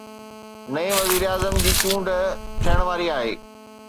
نئين وزيراعظم جي چونڊ ٿيڻ واري آهي.